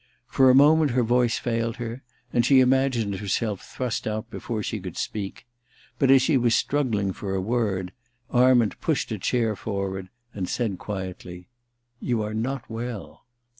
For a moment her voice failed her, and she imagined herself thrust out before she could speak ; but as she was struggling for a word, Arment pushed a chair forward, and said quietly :* You are not well.'